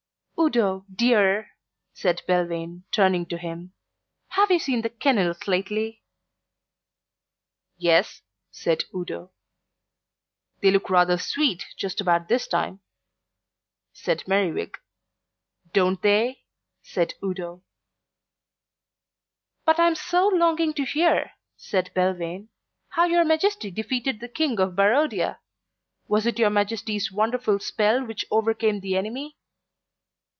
"Udo, dear," said Belvane, turning to him, "have you seen the kennels lately?" "Yes," said Udo. "They look rather sweet just about this time," said Merriwig. "Don't they?" said Udo. "But I am so longing to hear," said Belvane, "how your Majesty defeated the King of Barodia. Was it your Majesty's wonderful spell which overcame the enemy?"